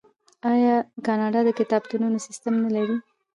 آیا کاناډا د کتابتونونو سیستم نلري؟